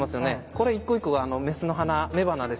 これ一個一個が雌の花雌花です。